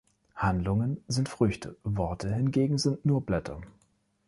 Handlungen sind Früchte, Worte hingegen sind nur Blätter.